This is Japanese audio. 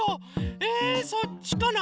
えそっちかな。